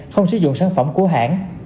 không sử dụng sản phẩm của hãng